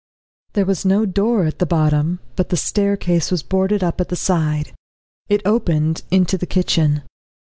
There was no door at the bottom, but the staircase was boarded up at the side; it opened into the kitchen.